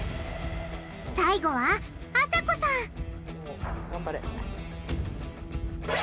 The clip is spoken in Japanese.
最後はあさこさん！わ！